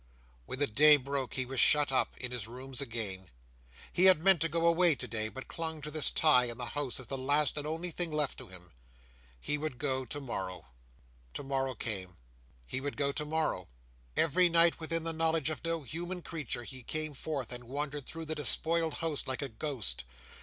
When the day broke he was shut up in his rooms again. He had meant to go away today, but clung to this tie in the house as the last and only thing left to him. He would go to morrow. To morrow came. He would go to morrow. Every night, within the knowledge of no human creature, he came forth, and wandered through the despoiled house like a ghost.